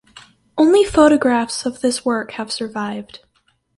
Only photographs of this work have survived.